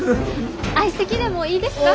相席でもいいですか？